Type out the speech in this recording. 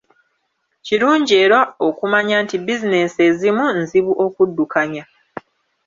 Kirungi era okumanya nti bizinensi ezimu nzibu okuddukanya.